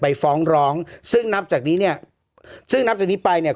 ฟ้องร้องซึ่งนับจากนี้เนี่ยซึ่งนับจากนี้ไปเนี่ย